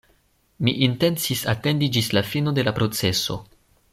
Mi intencis atendi ĝis la fino de la proceso.